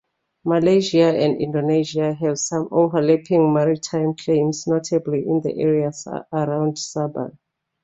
Malaysia and Indonesia have some overlapping maritime claims, notably in the area around Sabah.